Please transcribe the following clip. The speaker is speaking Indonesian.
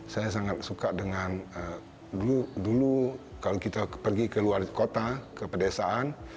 saya sangat suka dengan dulu kalau kita pergi ke luar kota ke pedesaan